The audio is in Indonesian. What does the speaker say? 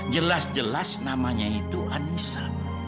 jelas jelas namanya itu anissa